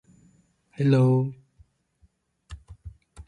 Hello.